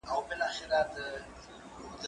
که وخت وي، نان خورم!؟